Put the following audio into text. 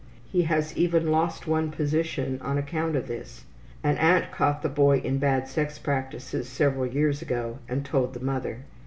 He has even lost one position on account of this. An aunt caught the boy in bad sex practices several years ago and told the mother.